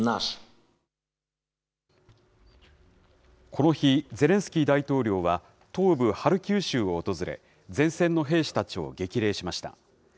この日、ゼレンスキー大統領は東部ハルキウ州を訪れ、前線の兵士たちを激励しました。